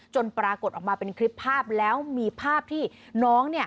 ปรากฏออกมาเป็นคลิปภาพแล้วมีภาพที่น้องเนี่ย